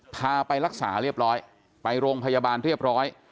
พาไปรักษาเรียบร้อยไปโรงพยาบาลเรียบร้อย